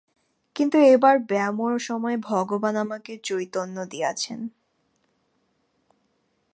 কিন্তু এবার ব্যামোর সময় ভগবান আমাকে চৈতন্য দিয়াছেন।